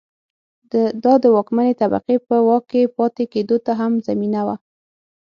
دا د واکمنې طبقې په واک کې پاتې کېدو ته هم زمینه وه.